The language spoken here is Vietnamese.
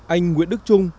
anh nguyễn đức trung